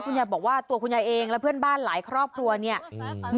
ยายบอกว่าตัวคุณยายเองและเพื่อนบ้านหลายครอบครัวเนี่ย